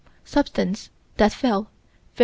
Substance that fell, Feb.